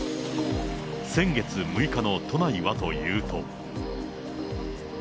先月６日の都内はというと。